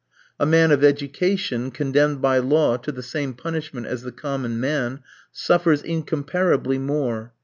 A man of education, condemned by law to the same punishment as the common man, suffers incomparably more.